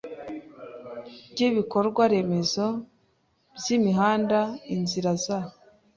ry ibikorwa remezo by imihanda inzira za